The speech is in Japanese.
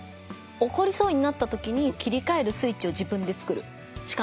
怒りそうになったときに切り替えるスイッチを自分でつくるしかない。